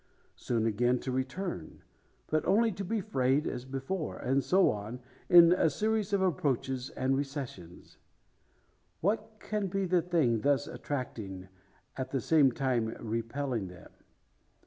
Soon again to return; but only to be frayed as before. And so on, in a series of approaches, and recessions. What can be the thing thus attracting, at the same time repelling them?